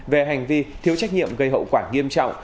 về hành vi thiếu trách nhiệm gây hậu quả nghiêm trọng